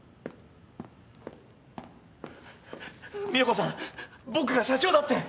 美保子さん僕が社長だって！